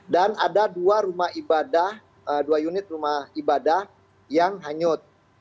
dan ada dua rumah ibadah dua unit rumah ibadah yang hanyut